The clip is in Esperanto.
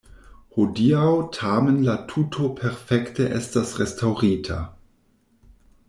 Hodiaŭ tamen la tuto perfekte estas restaŭrita.